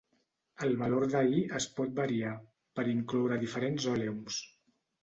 El valor de "y" es pot variar, per incloure diferents òleums.